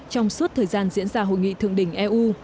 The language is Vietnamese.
trong suốt thời gian diễn ra hội nghị thượng đỉnh eu